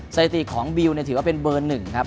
สถิติของบิวถือว่าเป็นเบอร์หนึ่งครับ